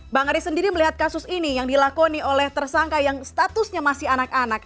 bang aris sendiri melihat kasus ini yang dilakoni oleh tersangka yang statusnya masih anak anak